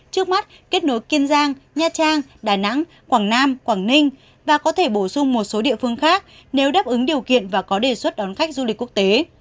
trước mắt kết nối kiên giang nha trang đà nẵng quảng nam quảng ninh và có thể bổ sung một số địa phương khác nếu đáp ứng điều kiện và có đề xuất đón khách du lịch quốc tế